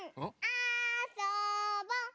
あそぼ！